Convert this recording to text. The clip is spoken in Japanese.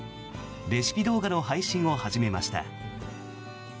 レシピ動画の配信を始めました。